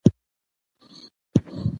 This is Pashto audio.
افغانستان د هرات له ښکلا څخه ډک دی.